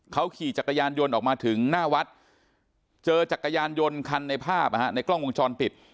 เขาขี่จักรยานยนต์ออกมาถึงหน้าวัดเจอจักรยานยนต์คันในภาพในกล้องวงจรปิด